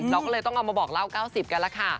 เราก็เลยต้องเอามาบอกเล่า๙๐กันแล้วค่ะ